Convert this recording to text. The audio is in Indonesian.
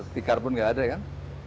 tikar pun nggak ada kan